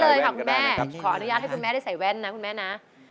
ขออนุญาตให้คุณแม่ใส่แว่นนะคุณแม่นะ